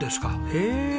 へえ！